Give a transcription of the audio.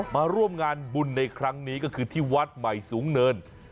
มาร่วมงานบุญในครั้งนี้ก็คือที่วัดใหม่สูงเนิน